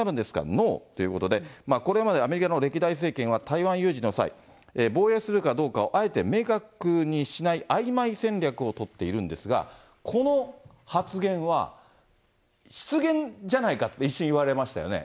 ノーということで、これまで、アメリカの歴代政権は、台湾有事の際、防衛するかどうかをあえて明確にしない、あいまい戦略を取っているんですが、この発言は、失言じゃないかって、一瞬言われましたよね。